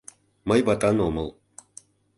Мый ватан омыл.